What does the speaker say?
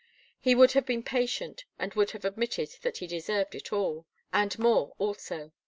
He would have been patient and would have admitted that he deserved it all, and more also.